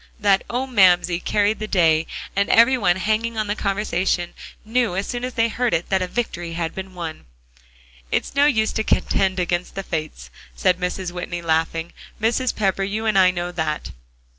That "Oh, Mamsie!" carried the day, and every one hanging on the conversation knew as soon as they heard it that a victory had been won. "It's no use to contend against the Fates," said Mrs. Whitney, laughing, "Mrs. Pepper, you and I know that."